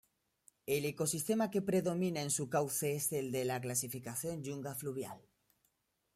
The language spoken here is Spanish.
El ecosistema que predomina en su cauce es de la clasificación Yunga Fluvial.